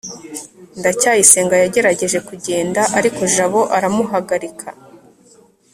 ndacyayisenga yagerageje kugenda, ariko jabo aramuhagarika. (hououinkyouma